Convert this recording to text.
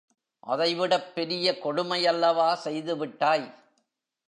அதைவிடப் பெரிய கொடுமை யல்லவா செய்து விட்டாய்.